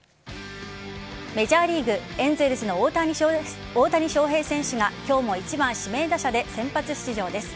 メジャーリーグエンゼルスの大谷翔平選手が今日も１番・指名打者で先発出場です。